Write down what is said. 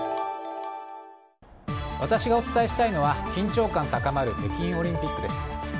私がお伝えしたいのは緊張感高まる北京オリンピックです。